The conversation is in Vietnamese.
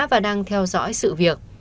các bạn đang theo dõi sự việc